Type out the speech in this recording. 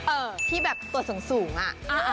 เอ่อที่ตัวสูงน่ะ